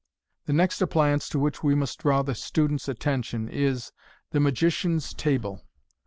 The next appliance to which we must draw the student V atten tion is THB MAOlCIAN*S TABLE.